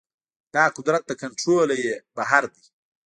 دا قدرت له کنټروله يې بهر دی.